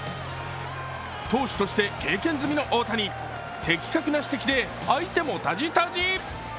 投手として経験済みの大谷、的確な指摘で相手もたじたじ。